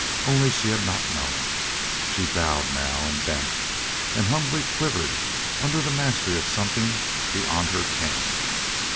Only she had not known. She bowed now, and bent, and humbly quivered under the mastery of something beyond her ken.